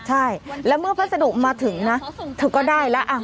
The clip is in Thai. ใช่แล้วเมื่อพัสดุมาถึงนะเธอก็ได้แล้ว